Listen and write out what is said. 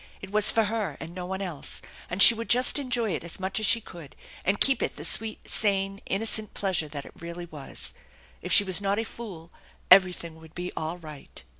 It was for her and no one else, and she would just enjoy it as much as she could, and keep it the sweet, sane, innocent pleasure that it really was. If she was not a fool, everything would be all right.